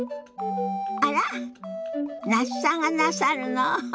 あら那須さんがなさるの？